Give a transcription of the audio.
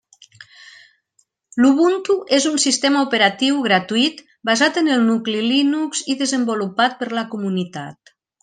L'Ubuntu és un sistema operatiu gratuït, basat en el nucli Linux i desenvolupat per la comunitat.